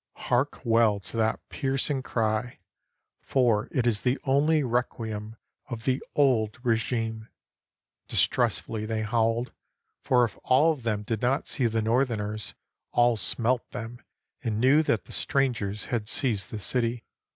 (Hark well to that piercing cry, for it is the only requiem of the old regime!) Distressfully they howled, for if all of them did not see the northerners, all smelt them and knew that strangers had seized the city.